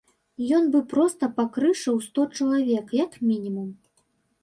Ён бы проста пакрышыў сто чалавек, як мінімум.